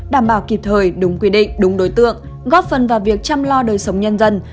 đảm bảo kịp thời đúng quy định đúng đối tượng góp phần vào việc chăm lo đời sống nhân dân